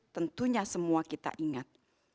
tentunya semua kita ingat